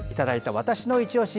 わたしのいちオシ」